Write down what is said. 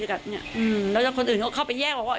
กัดเนี้ยอืมแล้วก็คนอื่นก็เข้าไปแยกบอกว่า